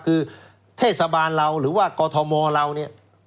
คือเทศบาลเราหรือว่ากอทมเราเนี่ย